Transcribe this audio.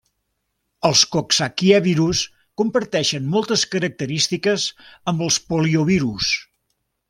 Els coxsackievirus comparteixen moltes característiques amb els poliovirus.